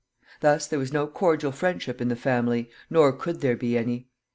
Thus there was no cordial friendship in the family, nor could there be any.